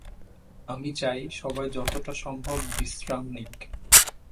আমি চাই সবাই যতটা সম্ভব বিশ্রাম নিক।